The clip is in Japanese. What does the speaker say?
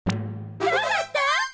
どうだった？